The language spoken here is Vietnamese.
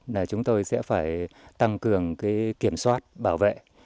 là chúng tôi sẽ phải tăng cường kiểm soát bảo vệ